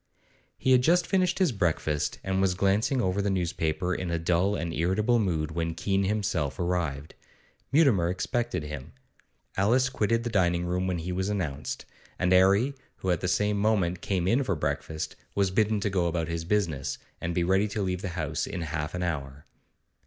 He had just finished his breakfast, and was glancing over the newspaper in a dull and irritable mood, when Keene himself arrived. Mutimer expected him. Alice quitted the dining room when he was announced, and 'Arry, who at the same moment came in for breakfast, was bidden go about his business, and be ready to leave the house in half an hour.